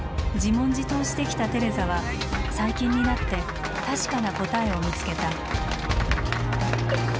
自問自答してきたテレザは最近になって確かな答えを見つけた。